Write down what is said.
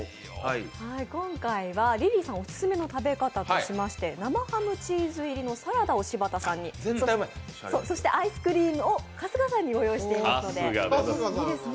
今回はリリーさんオススメの食べ方として生ハムチーズ入りのサラダを柴田さんに、アイスクリームを春日さんにご用意しています。